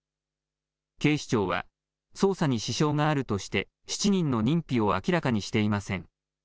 警視庁は、捜査に支障があるとして、７人の認否を明らかにしていません。